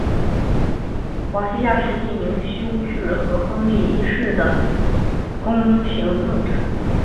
华西亚是一名修士和亨利一世的宫廷弄臣。